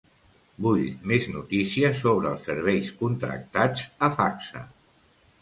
Vull més notícies sobre els serveis contractats a Facsa.